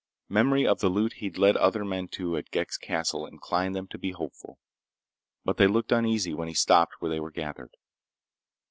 Memory of the loot he'd led other men to at Ghek's castle inclined them to be hopeful. But they looked uneasy when he stopped where they were gathered.